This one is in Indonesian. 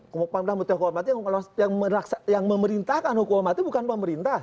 hukuman mati yang memerintahkan hukuman mati bukan pemerintah